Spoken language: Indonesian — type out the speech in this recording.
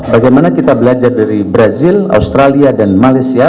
bagaimana kita belajar dari brazil australia dan malaysia